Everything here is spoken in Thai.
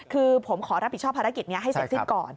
คือผมขอรับผิดชอบภารกิจนี้ให้เสร็จสิ้นก่อน